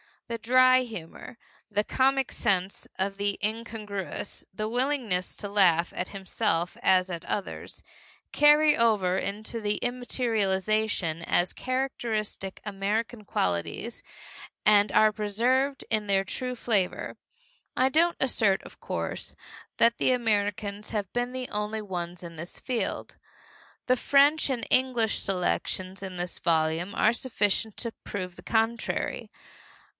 The dry humor, the comic sense of the incongruous, the willingness to laugh at himself as at others, carry over into immaterialization as characteristic American qualities and are preserved in their true flavor. I don't assert, of course, that Americans have been the only ones in this field. The French and English selections in this volume are sufficient to prove the contrary.